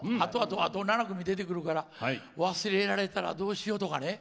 あと７組出てくるから忘れられたらどうしようとか。